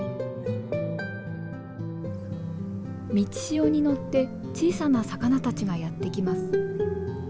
満ち潮に乗って小さな魚たちがやって来ます。